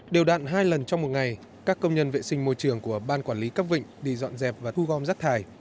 đều đạn hai lần trong một ngày các công nhân vệ sinh môi trường của ban quản lý các vịnh đi dọn dẹp và thu gom rác thải